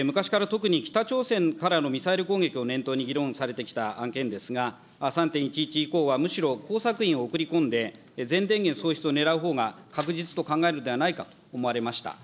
昔から特に、北朝鮮からのミサイル攻撃を念頭に議論されてきた案件ですが、３・１１以降はむしろ工作員を送り込んで、全電源喪失を狙うほうが確実と考えるのではないかと思われました。